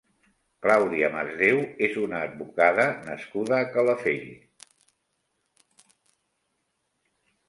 Clàudia Masdéu és una advocada nascuda a Calafell.